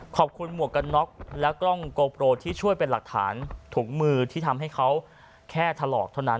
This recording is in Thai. หมวกกันน็อกและกล้องโกโปรที่ช่วยเป็นหลักฐานถุงมือที่ทำให้เขาแค่ถลอกเท่านั้น